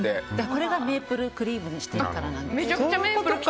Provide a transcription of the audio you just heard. これがメープルクリームにしてるからです。